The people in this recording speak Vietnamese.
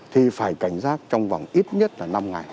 thì phải cảnh giác trong vòng ít nhất là năm ngày